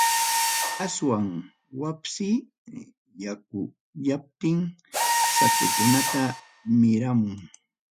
Aswan wapsi yakuyaptin, sutukunaqa miramun.